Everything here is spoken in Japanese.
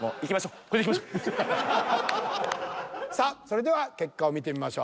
それでは結果を見てみましょう。